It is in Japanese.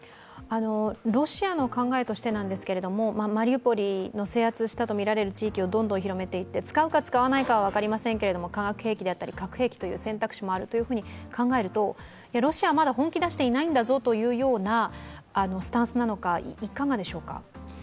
ロシアの考えとしてなんですけれども、マリウポリの制圧したと見られる地域をどんどん広めていって、使うか使わないか分かりませんけれども化学兵器であったり核兵器を使う選択肢もあるとなるとロシアはまだ本気を出していないんだぞというスタンスなのか、いかがでしょうか？